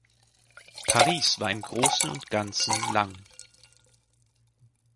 „Paris“ war im Großen und Ganzen lang.